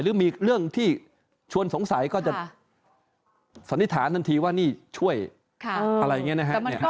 หรือมีเรื่องที่ชวนสงสัยก็จะสันนิษฐานทันทีว่านี่ช่วยอะไรอย่างนี้นะครับ